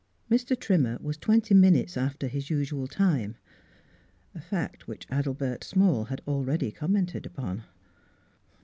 Mr. Trimmer was twenty minutes after his usual time, a fact which Adelbert Small had already commented upon.